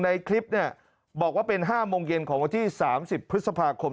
ในคลิปเนี่ยบอกว่าเป็น๕โมงเย็นของวันที่๓๐พฤษภาคม